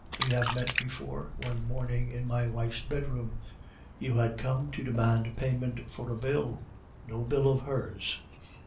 'We have met before, one morning in my wife's bedroom. You had come to demand payment for a bill no bill of hers.